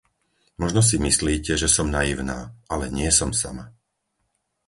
Možno si myslíte, že som naivná, ale nie som sama.